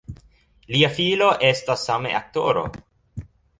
Lia filo estas same aktoro.